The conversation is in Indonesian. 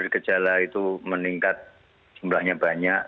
gejala itu meningkat jumlahnya banyak